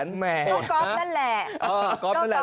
เราก็ก๊อบนั่นแหละ